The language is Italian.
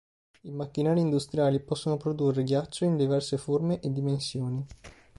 I macchinari industriali possono produrre ghiaccio in diverse forme e dimensioni.